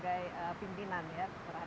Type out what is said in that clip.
kita sudah melakukan beberapa perubahan